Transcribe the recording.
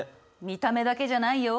見た目だけじゃないよ